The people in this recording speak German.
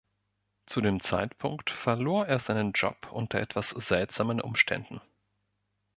Zu dem Zeitpunkt verlor er seinen Job unter etwas seltsamen Umständen.